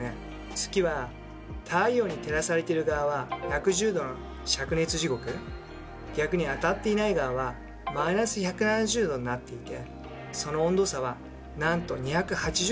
月は太陽に照らされている側は１１０℃のしゃく熱地獄逆に当たっていない側は−１７０℃になっていてその温度差はなんと２８０℃もあります。